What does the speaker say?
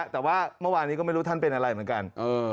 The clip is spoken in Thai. แต่ว่าเมื่อวานนี้ก็ไม่รู้ท่านเป็นอะไรเหมือนกัน